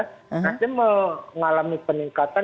nasdem mengalami peningkatan